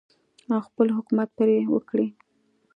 او خپل حکومت پرې وکړي.